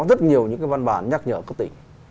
rất nhiều những cái văn bản nhắc nhở cấp tỉnh